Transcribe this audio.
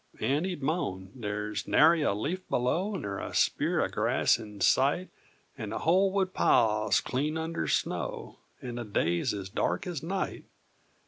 And he'd moan, "they's narry a leaf below! Ner a spear o' grass in sight! And the whole wood pile's clean under snow! And the days is dark as night!